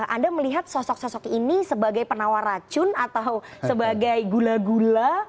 anda melihat sosok sosok ini sebagai penawar racun atau sebagai gula gula